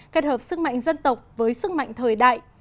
kết hợp sức mạnh dân tộc với sức mạnh thời đại